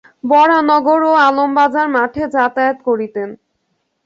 বরাহনগর ও আলমবাজার মঠে যাতায়াত করিতেন।